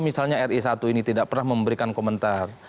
misalnya ri satu ini tidak pernah memberikan komentar